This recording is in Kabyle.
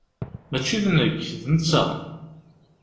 Mačči d nekk, d netta!